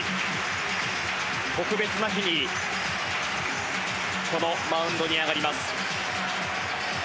特別な日にこのマウンドに上がります。